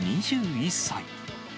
２１歳。